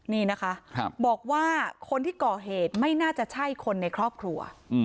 นี่นะคะบอกว่าคนที่ก่อเหตุไม่น่าจะใช่คนในครอบครัว